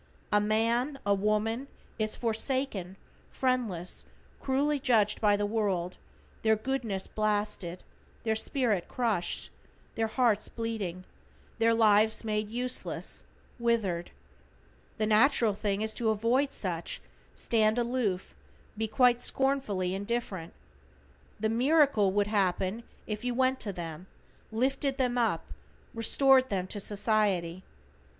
A man, a woman, is forsaken, friendless, cruelly judged by the world, their goodness blasted, their spirit crushed, their hearts bleeding, their lives made useless, withered. The natural thing is to avoid such, stand aloof, be quite scornfully indifferent. The miracle would happen if you went to them, lifted them up, restored them to society.